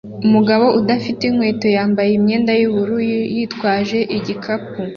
Umugabo udafite inkweto wambaye imyenda yubururu yitwaje igikapu